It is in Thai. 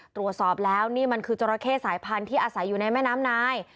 ตรวจสอบแล้วนี่มันคือจราเข้สายพันธุ์ที่อาศัยอยู่ในแม่น้ำนาย